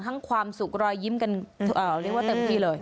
ความสุขรอยยิ้มกันเรียกว่าเต็มที่เลย